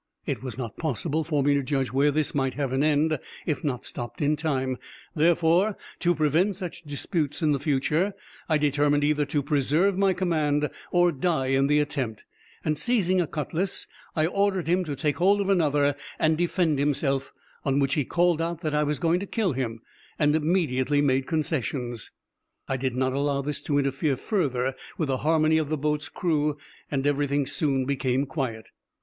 It was not possible for me to judge where this might have an end, if not stopped in time; therefore, to prevent such disputes in future, I determined either to preserve my command, or die in the attempt; and seizing a cutlass, I ordered him to take hold of another and defend himself, on which he called out that I was going to kill him, and immediately made concessions. I did not allow this to interfere further with the harmony of the boat's crew and everything soon became quiet.